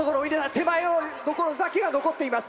手前の所だけが残っています。